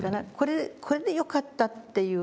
これでよかったっていう。